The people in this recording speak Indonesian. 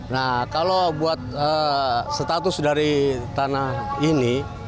nah kalau buat status dari tanah ini